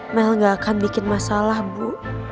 mel gak akan bikin masalah bu